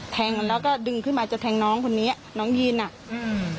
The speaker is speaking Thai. แทงแล้วก็ดึงขึ้นมาจะแทงน้องคนนี้น้องยีนอ่ะอืม